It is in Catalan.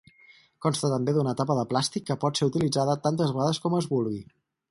Consta també d'una tapa de plàstic que pot ser utilitzada tantes vegades com es vulgui.